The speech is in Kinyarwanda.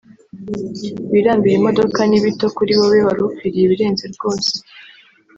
wirambire imodoka ni bito kuri wowe warukwiye ibirenze rwose